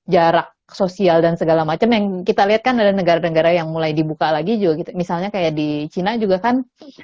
jarak sosial dan segala macam yang kita lihat kan ada negara negara yang mulai dibuka lagi juga gitu misalnya kayak di china juga kan